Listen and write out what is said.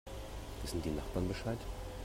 Wissen die Nachbarn Bescheid?